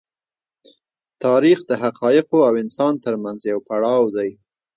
تاریخ د حقایقو او انسان تر منځ یو پړاو دی.